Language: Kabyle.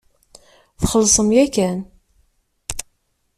Txellṣem yakan.